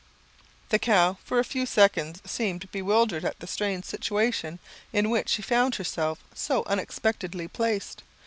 The cow for a few seconds seemed bewildered at the strange situation in which she found herself so unexpectedly placed.